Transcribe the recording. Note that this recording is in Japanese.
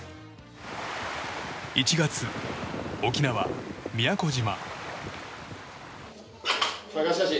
１月、沖縄・宮古島。